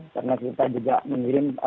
karena kita juga mengirim